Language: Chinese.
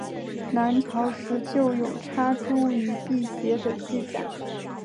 南朝时就有插茱萸辟邪的记载。